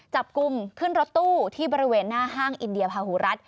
จับกลุ่มขึ้นรถตู้ที่บริเวณหน้าห้างอินเดียพาหูรัฐ